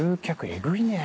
えぐいね。